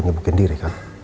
nyebukin diri kan